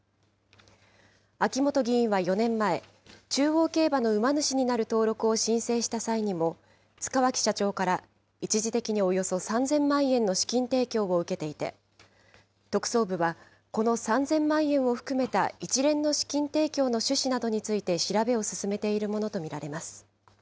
秋本議員は４年前、中央競馬の馬主になる登録を申請した際にも、塚脇社長から一時的におよそ３０００万円の資金提供を受けていて、特捜部はこの３０００万円を含めた一連の資金提供の趣旨などについて調べを進めているものと見られます。